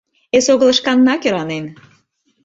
Эсогыл шканна кöранен.